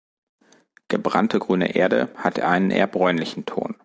Gebrannte grüne Erde hat einen eher bräunlichen Ton.